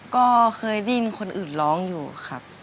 ก็เคยได้ยินคนอื่นร้องอยู่ครับ